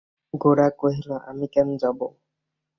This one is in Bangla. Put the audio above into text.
গোরা কহিল, আমি কেন যাব!